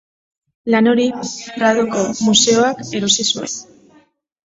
Lan hori Pradoko museoak erosi zuen.